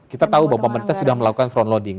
kita tahu bahwa pemerintah sudah melakukan frontloading